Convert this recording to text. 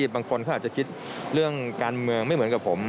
บางคนเขาอาจจะคิดเรื่องการเมืองไม่เหมือนกับผม